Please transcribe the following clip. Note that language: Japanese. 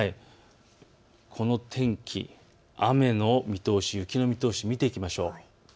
この天気、雨の見通し、雪の見通しを見ていきましょう。